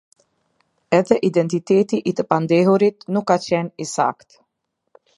Edhe identiteti i të pandehurit nuk ka qenë i saktë.